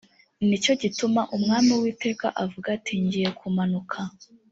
ni cyo gituma umwami uwiteka avuga ati ngiye kumanuka